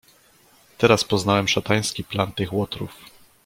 "Teraz poznałem szatański plan tych łotrów."